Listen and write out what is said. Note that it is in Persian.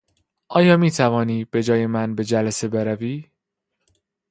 آیا میتوانی به جای من به جلسه بروی؟